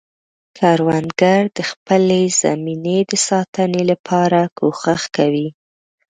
کروندګر د خپلې زمینې د ساتنې لپاره کوښښ کوي